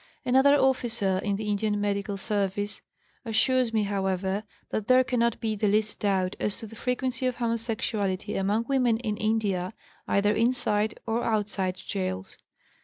Another officer in the Indian Medical Service assures me, however, that there cannot be the least doubt as to the frequency of homosexuality among women in India, either inside or outside gaols.